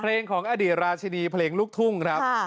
เพลงของอดีตราชินีและเพลงลูกทุ่ง